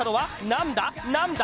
何だ？